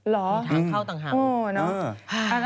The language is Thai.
ทางเข้าทางห่าง